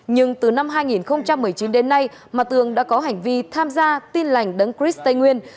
nhưng từ năm hai nghìn một mươi chín đến nay mà tường đã có hành vi tham gia tin lành đấng chris tây nguyên